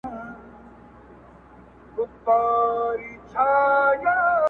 د ښار کوڅې به وي لښکر د ابوجهل نیولي-